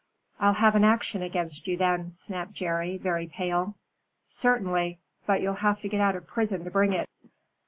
"I'll have an action against you then," snapped Jerry, very pale. "Certainly. But you'll have to get out of prison to bring it."